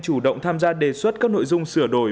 chủ động tham gia đề xuất các nội dung sửa đổi